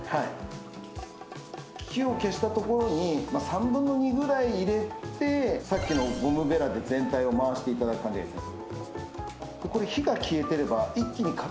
火を消したところに３分の２ぐらい入れてさっきのゴムべらで全体を回していただく感じがいいですね。